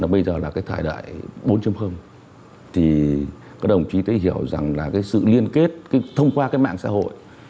bây giờ là cái thời đại bốn thì các đồng chí thấy hiểu rằng là cái sự liên kết thông qua cái mạng xã hội